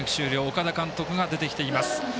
岡田監督が出てきています。